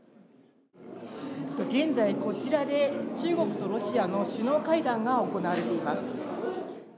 現在、こちらで中国とロシアの首脳会談が行われています。